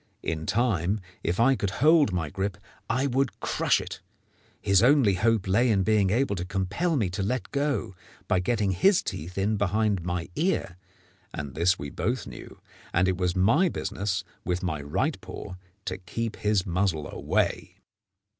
In time, if I could hold my grip, I would crush it. His only hope lay in being able to compel me to let go, by getting his teeth in behind my ear; and this we both knew, and it was my business with my right paw to keep his muzzle away.